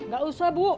gak usah bu